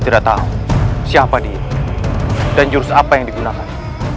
dan jurus apa yang digunakan